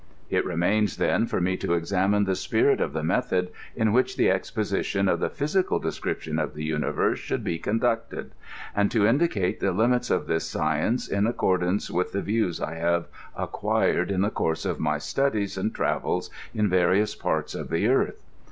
It remains, then, for me to examine the spirit of the method in which the exposition of the physical description of the U7iiverse should be conducted, and to indicate the limits of this science in ac cordance with the views I have acquired in the course of my studies and travels in various parts of the earth.